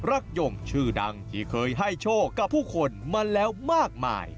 รักยงชื่อดังที่เคยให้โชคกับผู้คนมาแล้วมากมาย